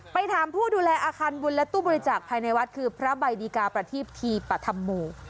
ไปถามผู้ดูแลอาคารบุญและตู้บริจาคภายในวัดคือพระใบดีกาประทีพทีปธรรมโม